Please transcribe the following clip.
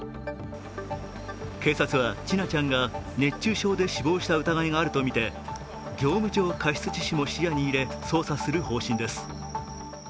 警察は、千奈ちゃんが熱中症で死亡した疑いがあるとみて業務上過失致死も視野に入れ、捜査する方針です。